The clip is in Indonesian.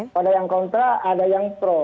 kalau ada yang kontra ada yang pro